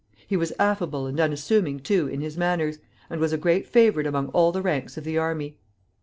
He was affable and unassuming, too, in his manners, and was a great favorite among all the ranks of the army.